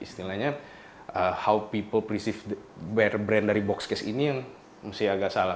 istilahnya how people prinsip brand dari boxcase ini yang masih agak salah